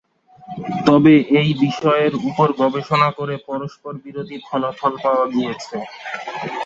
তবে, এই বিষয়ের উপর গবেষণা করে পরস্পরবিরোধী ফলাফল পাওয়া গিয়েছে।